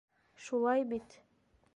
Шулай бит?